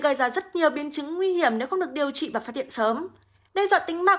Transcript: gây ra rất nhiều biến chứng nguy hiểm nếu không được điều trị và phát hiện sớm đe dọa tính mạng